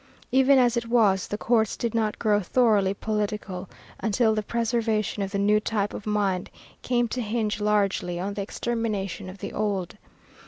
Even as it was the courts did not grow thoroughly political until the preservation of the new type of mind came to hinge largely on the extermination of the old.